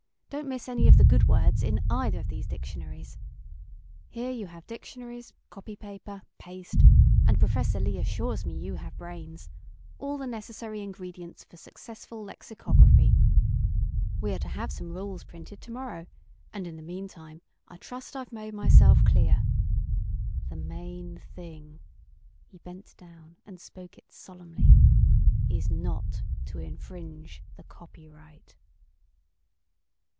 Don't miss any of the good words in either of these dictionaries. Here you have dictionaries, copy paper, paste, and Professor Lee assures me you have brains all the necessary ingredients for successful lexicography. We are to have some rules printed to morrow, and in the meantime I trust I've made myself clear. The main thing" he bent down and spoke it solemnly "is not to infringe the copyright."